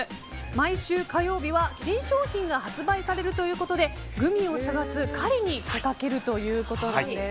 毎週火曜日は新商品が発売されるということでグミを探す狩りに出かけるということなんです。